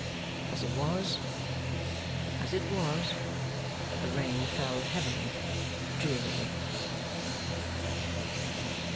As it was As it was, the rain fell heavily, drearily.